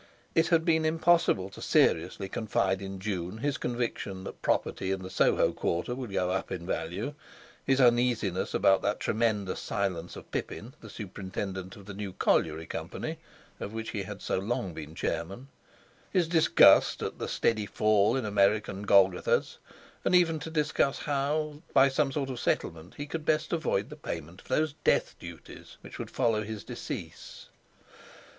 It had been impossible to seriously confide in June his conviction that property in the Soho quarter would go up in value; his uneasiness about that tremendous silence of Pippin, the superintendent of the New Colliery Company, of which he had so long been chairman; his disgust at the steady fall in American Golgothas, or even to discuss how, by some sort of settlement, he could best avoid the payment of those death duties which would follow his decease.